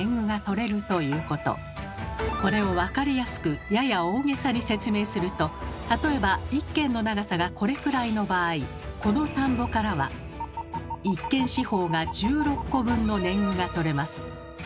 これを分かりやすくやや大げさに説明すると例えば１間の長さがこれくらいの場合この田んぼからは１間四方が１６個分の年貢がとれます。